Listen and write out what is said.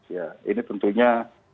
ya ini tentunya